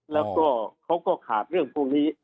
แล้วก็เขาก็ขาดเรื่องพวกนี้